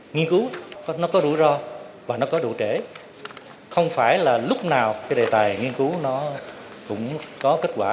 nghiên cứu nó có đủ rõ và nó có đủ trễ không phải là lúc nào cái đề tài nghiên cứu nó cũng có kết quả